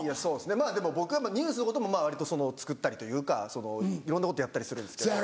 まぁでも僕はＮＥＷＳのことも割とつくったりというかいろんなことやったりするんですけど。